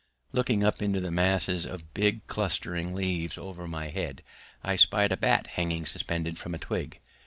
Looking up into the masses of big clustering leaves over my head I spied a bat hanging suspended from a twig.